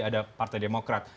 ada partai demokrat